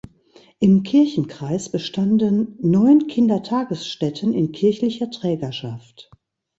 Im Kirchenkreis bestanden neun Kindertagesstätten in kirchlicher Trägerschaft.